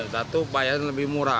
satu payahnya lebih murah